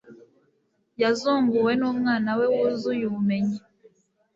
yazunguwe n'umwana we wuzuye ubumenyi